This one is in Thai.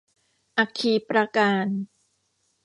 อัคคีปราการ